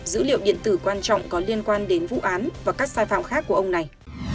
dữ liệu điện tử quan trọng có liên quan đến vụ án và các sai phạm khác của ông này